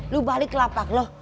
lu balik ke lapak loh